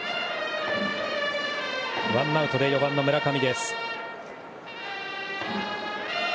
ワンアウトで４番の村上です。